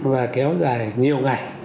và kéo dài nhiều ngày